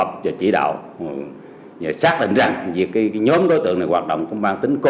thì đồng chí phó dân bắc